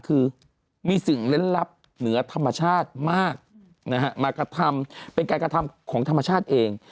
คือมีสิ่งเล่นลับเหนือธรรมชาติมากเป็นการกระทำของธรรมชาติเอง